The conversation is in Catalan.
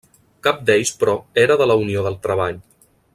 Cap d'ells, però, era de la Unió del Treball.